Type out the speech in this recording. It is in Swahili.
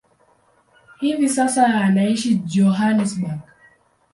Hivi sasa anaishi Johannesburg.